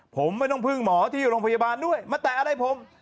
ผมไม่ต้องพึ่งหมอที่โรงพยาบาลด้วยมาแตะอะไรผม